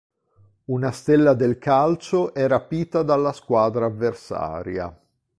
Una stella del calcio è rapita dalla squadra avversaria.